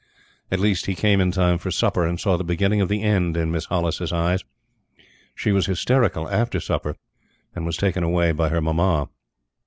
At least, he came in time for supper, and saw the beginning of the end in Miss Hollis's eyes. She was hysterical after supper, and was taken away by her Mamma.